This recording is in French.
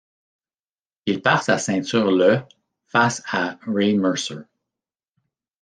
Il perd sa ceinture le face à Ray Mercer.